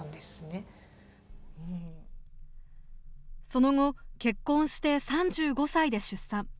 その後、結婚して３５歳で出産。